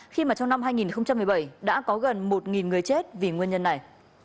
khi mà trong năm hai nghìn một mươi bảy đã có gần một người chết vì nguyên nhân này